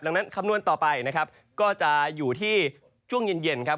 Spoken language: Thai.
ดังนั้นคำนวณต่อไปนะครับก็จะอยู่ที่ช่วงเย็นครับ